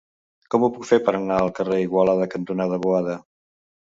Com ho puc fer per anar al carrer Igualada cantonada Boada?